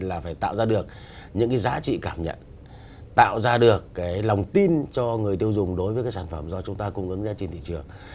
là phải tạo ra được những cái giá trị cảm nhận tạo ra được cái lòng tin cho người tiêu dùng đối với cái sản phẩm do chúng ta cung ứng ra trên thị trường